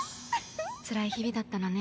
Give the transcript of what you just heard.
つらい日々だったのね。